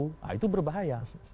nah itu berbahaya